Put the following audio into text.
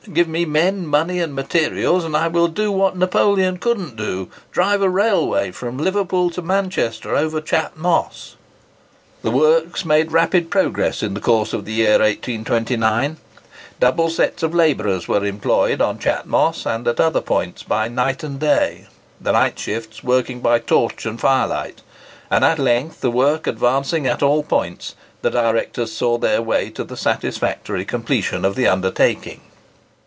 Give me men, money, and materials, and I will do what Napoleon couldn't do—drive a railway from Liverpool to Manchester over Chat Moss!" The works made rapid progress in the course of the year 1829. Double sets of labourers were employed on Chat Moss and at other points, by night and day, the night shifts working by torch and fire light; and at length, the work advancing at all points, the directors saw their way to the satisfactory completion of the undertaking.